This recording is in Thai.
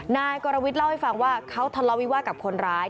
นายกรวิทย์เล่าให้ฟังว่าเขาทะเลาวิวาสกับคนร้าย